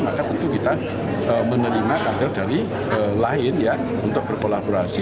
maka tentu kita menerima kader dari lain ya untuk berkolaborasi